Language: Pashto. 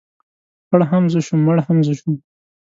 ـ پړ هم زه شوم مړ هم زه شوم.